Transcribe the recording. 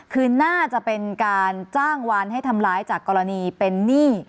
คือน่าจะเป็นการจ้างวานให้ทำร้ายจากกรณีเป็นหนี้